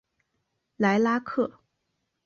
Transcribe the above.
莱拉克。